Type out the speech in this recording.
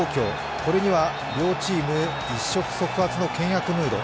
これには両チーム一触即発の険悪ムード。